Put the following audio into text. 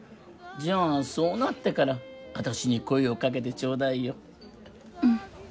じゃあそうなってからあたしに声をかけてちょうだいよ。